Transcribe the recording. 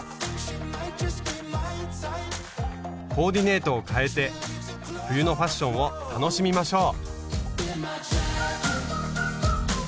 コーディネートを変えて冬のファッションを楽しみましょう！